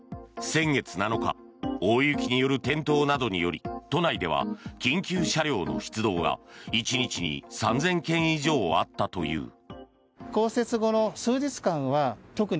先月７日、大雪による転倒などにより都内では緊急車両の出動が１日に３０００件以上あったという。